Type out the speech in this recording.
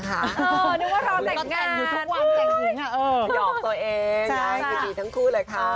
หยอกตัวเองตั้งคู่เลยค่ะ